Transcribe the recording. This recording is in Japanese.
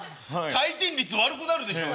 回転率悪くなるでしょ。